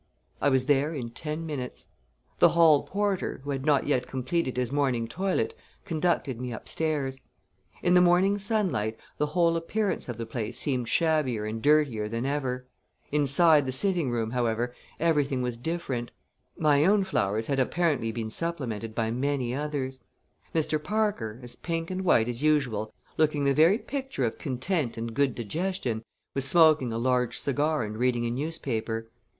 I was there in ten minutes. The hall porter, who had not yet completed his morning toilet, conducted me upstairs. In the morning sunlight the whole appearance of the place seemed shabbier and dirtier than ever. Inside the sitting room, however, everything was different. My own flowers had apparently been supplemented by many others. Mr. Parker, as pink and white as usual, looking the very picture of content and good digestion, was smoking a large cigar and reading a newspaper.